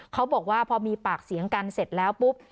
เขาบอกว่าพอมีปากเสียงกันเสร็จแล้วปุ๊บ